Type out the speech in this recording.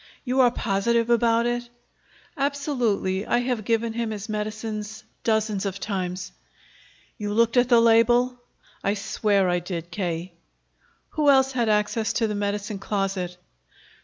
"You are positive about it?" "Absolutely. I have given him his medicines dozens of times." "You looked at the label?" "I swear I did, K." "Who else had access to the medicine closet?"